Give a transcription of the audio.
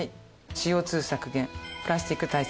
ＣＯ２削減プラスチック対策